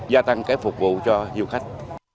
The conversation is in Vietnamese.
gia tăng phục vụ cho nhiều khách